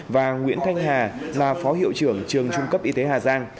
và nguyễn thanh hà là phó hiệu trưởng trường trung cấp y tế hà giang